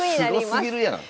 すごすぎるやん。